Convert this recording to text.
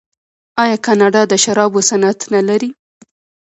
آیا کاناډا د شرابو صنعت نلري؟